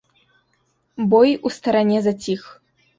Бой у старане заціх.